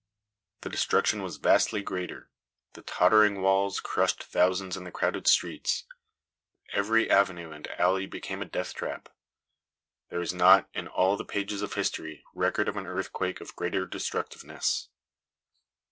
The destruction was vastly greater. The tottering walls crushed thousands in the crowded streets. Every avenue and alley became a death trap. There is not, in all the pages of history, record of an earthquake of greater destructiveness.